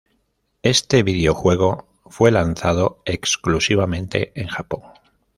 Este videojuego fue lanzado exclusivamente en Japón.